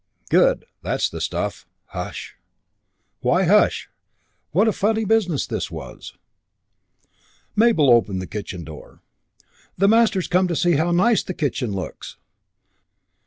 "Good. That's the stuff!" "Hush!" Why hush? What a funny business this was! VIII Mabel opened the kitchen door. "The master's come to see how nice the kitchen looks."